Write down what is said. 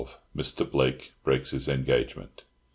MR. BLAKE BREAKS HIS ENGAGEMENT.